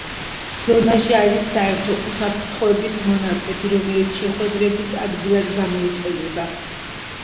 ზონაში არის საერთო უსაფრთხოების მონაკვეთი, რომელიც შეხვედრების ადგილად გამოიყენება.